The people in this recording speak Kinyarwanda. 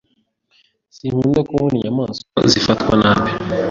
Sinkunda kubona inyamaswa zifatwa nabi.